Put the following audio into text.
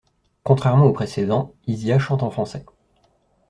Contrairement aux précédents, Izïa chante en français.